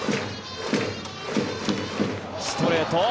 ストレート